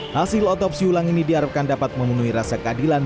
hasil otopsi ulang ini diharapkan dapat memenuhi rasa keadilan